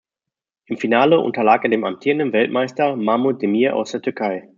Im Finale unterlag er dem amtierenden Weltmeister Mahmut Demir aus der Türkei.